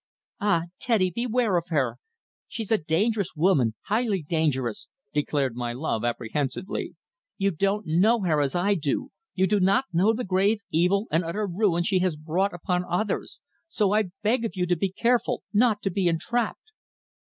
"Ah! Teddy, beware of her! She's a dangerous woman highly dangerous," declared my love apprehensively. "You don't know her as I do you do not know the grave evil and utter ruin she has brought upon others. So I beg of you to be careful not to be entrapped."